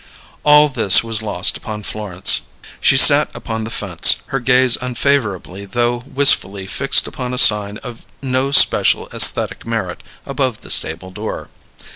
All this was lost upon Florence. She sat upon the fence, her gaze unfavourably though wistfully fixed upon a sign of no special aesthetic merit above the stable door.